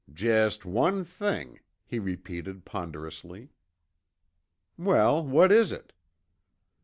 "Jest one thing," he repeated ponderously. "Well, what is it?"